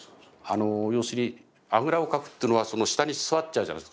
あの要するにあぐらをかくっていうのはその下に座っちゃうじゃないですか